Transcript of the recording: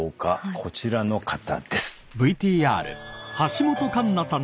こちらの方です。